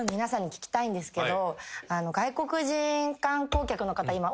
聞きたいんですけど。